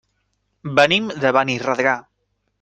Venim de Benirredrà.